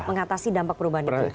mengatasi dampak perubahan itu